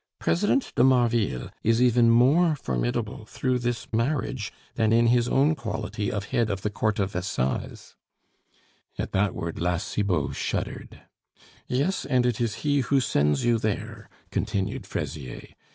President de Marville is even more formidable through this marriage than in his own quality of head of the Court of Assize." At that word La Cibot shuddered. "Yes, and it is he who sends you there," continued Fraisier.